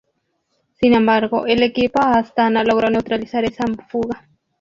Sin embargo, el equipo Astana logró neutralizar esa fuga.